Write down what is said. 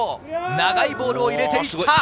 長いボールを入れてきた。